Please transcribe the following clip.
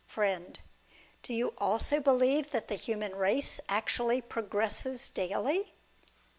Friend. Do you also believe that the human race actually progresses daily